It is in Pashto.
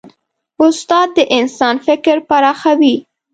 استاد د انسان فکر پراخوي.